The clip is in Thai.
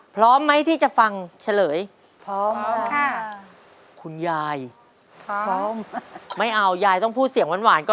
พร้อมไหมที่จะฟังเฉลย